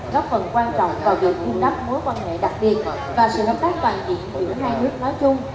góp phần quan trọng vào việc vun đắp mối quan hệ đặc biệt và sự hợp tác toàn diện giữa hai nước nói chung